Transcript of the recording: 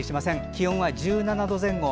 気温は１７度前後。